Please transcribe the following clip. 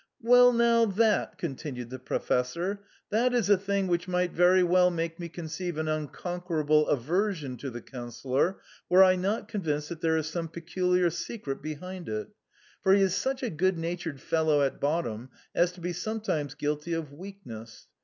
"Well, now, that," continued the Professor, "that is a thing which might very well make me conceive an unconquerable aversion to the Councillor, were I not convinced that there is some peculiar secret behind it, for he is such a good natured fellow at bottom as to be sometimes guilty of weakness.